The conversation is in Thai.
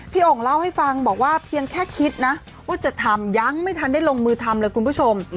โอ่งเล่าให้ฟังบอกว่าเพียงแค่คิดนะว่าจะทำยังไม่ทันได้ลงมือทำเลยคุณผู้ชม